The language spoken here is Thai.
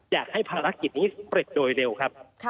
อยากให้ภารกิจนี้เสร็จโดยเร็วครับ